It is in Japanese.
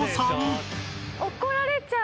怒られちゃう！